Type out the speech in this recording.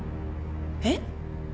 えっ？